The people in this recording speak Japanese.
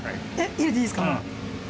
入れていいですか？